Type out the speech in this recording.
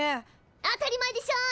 当たり前でしょ！